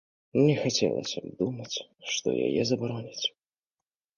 Не хацелася б думаць, што яе забароняць.